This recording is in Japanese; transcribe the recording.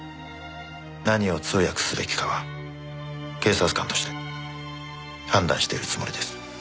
何を通訳すべきかは警察官として判断しているつもりです。